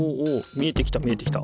見えてきた見えてきた。